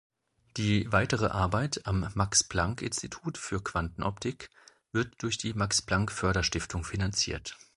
Die weitere Arbeit am Max-Planck-Institut für Quantenoptik wird durch die Max-Planck-Förderstiftung finanziert.